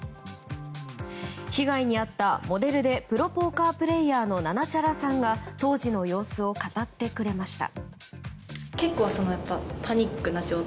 被害に遭った、モデルでプロポーカープレーヤーのななちゃらさんが当時の様子を語ってくれました。